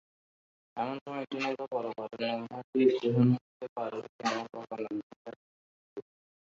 এমনসময় একটি নৌকা পরপারের নৈহাটি স্টেশন হইতে পার হইয়া আমার বাগানের ঘাটে আসিয়া লাগিল।